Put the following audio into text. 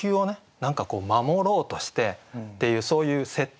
何か守ろうとしてっていうそういう設定。